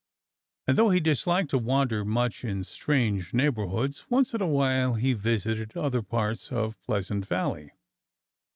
And though he disliked to wander much in strange neighborhoods, once in a while he visited other parts of Pleasant Valley.